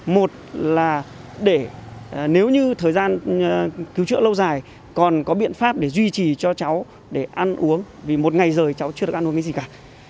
một là để nếu như thời gian cứu chữa lâu dài còn có biện pháp để duy trì cho cháu để ăn uống vì một ngày rời cháu chưa được ăn uống cái gì cả